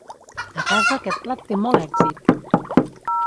A casa aquest plat té molt èxit!